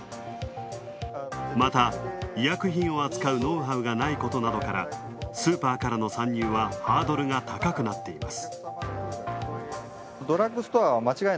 また、医薬品を扱うノウハウがないことなどからスーパーからの参入はハードルが高くなっています。